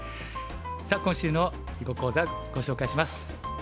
さあ今週の囲碁講座ご紹介します。